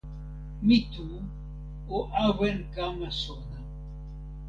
mi tu o awen kama sona.